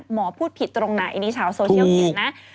หมอพูดผิดตรงไหนนี่ชาวโซเชียลเห็นนะ